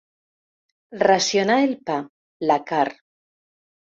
Racionar el pa, la carn.